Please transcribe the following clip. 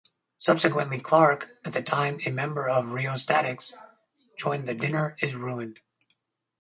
Subsequently Clark, at the time a member of Rheostatics, joined The Dinner is Ruined.